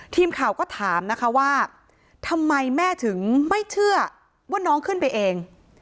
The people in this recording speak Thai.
ทีมข่าวก็ถามนะคะว่าทำไมแม่ถึงไม่เชื่อว่าน้องขึ้นไปเอง